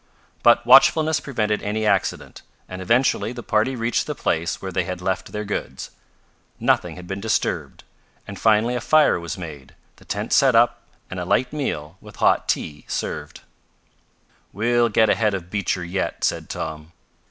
But watchfulness prevented any accident, and eventually the party reached the place where they had left their goods. Nothing had been disturbed, and finally a fire was made, the tents set up and a light meal, with hot tea served. "We'll get ahead of Beecher yet," said Tom.